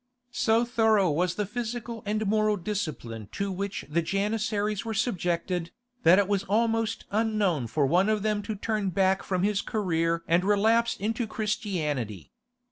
So thorough was the physical and moral discipline to which the Janissaries were subjected, that it was almost unknown for one of them to turn back from his career and relapse into Christianity.